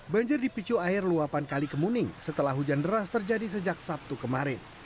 banjir dipicu air luapan kali kemuning setelah hujan deras terjadi sejak sabtu kemarin